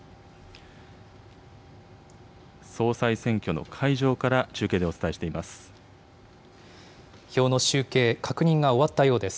総裁選挙の会場から中継でお伝えしています。